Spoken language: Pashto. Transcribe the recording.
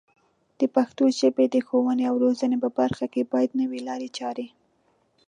د پښتو ژبې د ښوونې او روزنې په برخه کې باید نوې لارې چارې